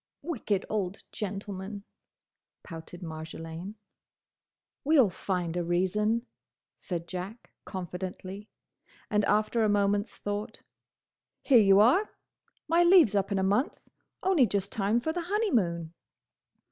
"Wicked old gentleman!" pouted Marjolaine. "We'll find a reason," said Jack, confidently; and after a moment's thought: "Here you are! My leave 's up in a month: only just time for the honeymoon!"